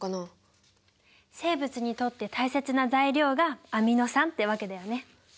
生物にとって大切な材料がアミノ酸ってわけだよね。